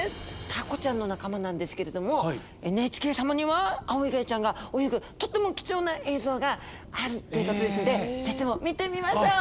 タコちゃんの仲間なんですけれどもＮＨＫ様にはアオイガイちゃんが泳ぐとっても貴重な映像があるっていうことですのでぜひとも見てみましょう！